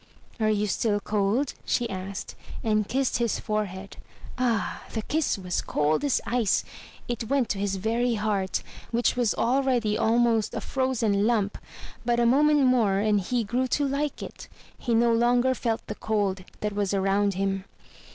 "Are you still cold?'* she asked, and kissed his forehead. Ah! the kiss was cold as ice; it went to his very heart, which was already almost a frozen lump; but a moment more and he grew to like it. He no longer felt the cold that was around him.